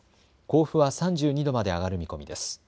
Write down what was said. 甲府は３２度まで上がる見込みです。